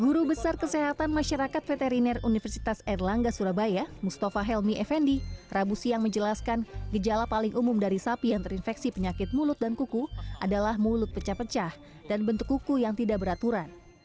guru besar kesehatan masyarakat veteriner universitas erlangga surabaya mustafa helmi effendi rabu siang menjelaskan gejala paling umum dari sapi yang terinfeksi penyakit mulut dan kuku adalah mulut pecah pecah dan bentuk kuku yang tidak beraturan